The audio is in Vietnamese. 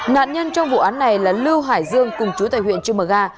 nạn nhân trong vụ án này là lưu hải dương cùng chú tại huyện trư mờ ga